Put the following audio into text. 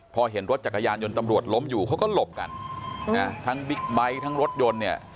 พอเห็นรถจักรยานยนต์ตำรวจล้มอยู่เขาก็หลบกันนะทั้งบิ๊กไบท์ทั้งรถยนต์เนี่ย